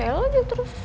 aduh gue tau